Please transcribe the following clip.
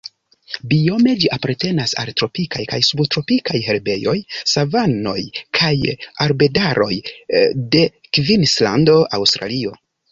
Biome ĝi apartenas al tropikaj kaj subtropikaj herbejoj, savanoj kaj arbedaroj de Kvinslando, Aŭstralio.